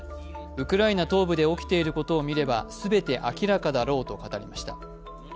ウクライナ東部で起きていることを見れば全て明らかだろうと語りました。